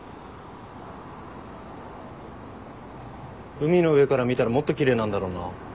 海の上から見たらもっと奇麗なんだろうな。